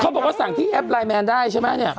เขาบอกสั่งที่แอปไลน์แมนได้ใช่มะ